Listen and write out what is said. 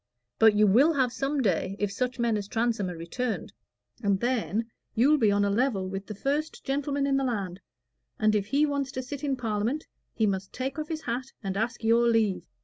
But you will have some day, if such men as Transome are returned; and then you'll be on a level with the first gentleman in the land, and if he wants to sit in Parliament, he must take off his hat and ask your leave.